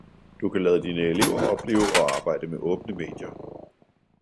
Du kan lade dine elever opleve og arbejde med åbne medier